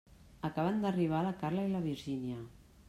Acaben d'arribar la Carla i la Virgínia.